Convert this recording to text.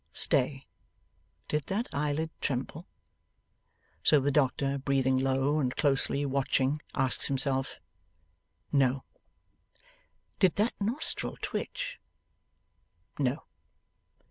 Stay! Did that eyelid tremble? So the doctor, breathing low, and closely watching, asks himself. No. Did that nostril twitch? No.